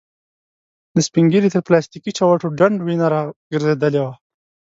د سپين ږيري تر پلاستيکې چوټو ډنډ وينه را ګرځېدلې وه.